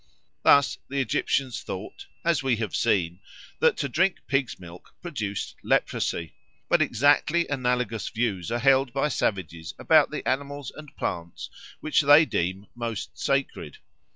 Thus the Egyptians thought, as we have seen, that to drink pig's milk produced leprosy. But exactly analogous views are held by savages about the animals and plants which they deem most sacred.